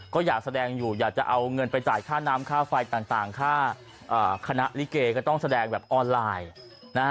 ก็อยากแสดงอยู่อยากจะเอาเงินไปจ่ายค่าน้ำค่าไฟต่างค่าคณะลิเกก็ต้องแสดงแบบออนไลน์นะฮะ